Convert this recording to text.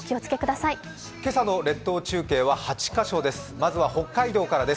今朝の列島中継は８カ所です。